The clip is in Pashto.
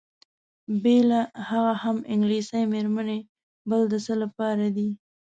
بېله هغه هم انګلیسۍ میرمنې بل د څه لپاره دي؟